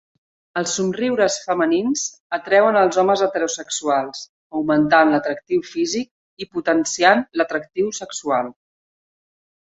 Els somriures femenins atreuen als homes heterosexuals, augmentant l'atractiu físic i potenciant l'atractiu sexual.